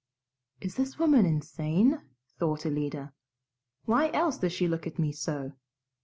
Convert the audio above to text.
"Is this woman insane?" thought Alida. "Why else does she look at me so?